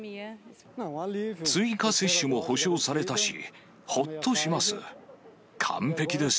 追加接種も保証されたし、ほっとします。